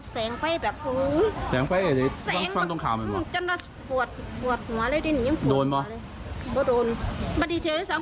มันไปโกะกับเบตรดาเท่าที่ไฟฟ้าสูง